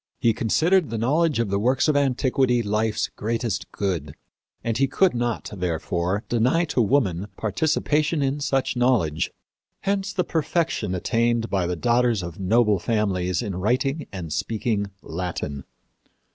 He considered the knowledge of the works of antiquity life's greatest good, and he could not, therefore, deny to woman participation in such knowledge. Hence the perfection attained by the daughters of noble families in writing and speaking Latin."